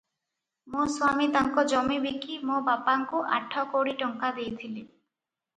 ମୋ ସ୍ୱାମୀ ତାଙ୍କ ଜମି ବିକି ମୋ ବାପାଙ୍କୁ ଆଠ କୋଡ଼ି ଟଙ୍କା ଦେଇଥିଲେ ।